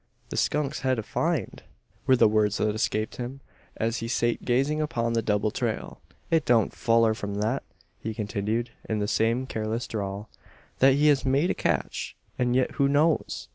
"The skunk's hed a find!" were the words that escaped him, as he sate gazing upon the double trail. "It don't foller from thet," he continued, in the same careless drawl, "thet he hez made a catch. An' yit, who knows?